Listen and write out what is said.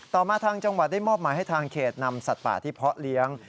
มาทางจังหวัดได้มอบหมายให้ทางเขตนำสัตว์ป่าที่เพาะเลี้ยง